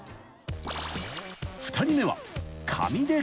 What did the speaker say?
［２人目は］